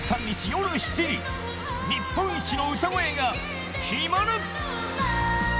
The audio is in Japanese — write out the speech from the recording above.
日本一の歌声が決まる！